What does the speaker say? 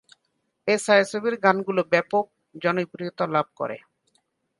এ ছায়াছবির গানগুলো ব্যাপক জনপ্রিয়তা লাভ করে।